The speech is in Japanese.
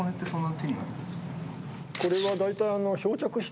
これは大体。